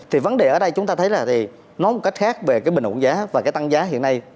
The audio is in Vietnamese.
thì vấn đề ở đây chúng ta thấy là thì nói một cách khác về cái bình ổn giá và cái tăng giá hiện nay